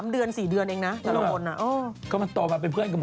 ๓เดือนสี่เดือนเองนะอะ